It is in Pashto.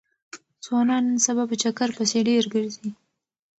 ځوانان نن سبا په چکر پسې ډېر ګرځي.